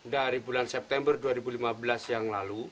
dari bulan september dua ribu lima belas yang lalu